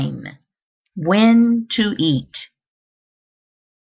WHEN TO EAT.